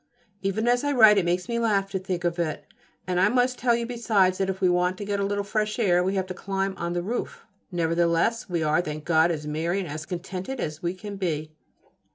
Even as I write it makes me laugh to think of it; and I must tell you besides that if we want to get a little fresh air we have to climb on the roof. Nevertheless, we are, thank God, as merry and as contented as we can be.